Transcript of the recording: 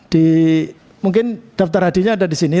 di mungkin daftar hadinya ada di sini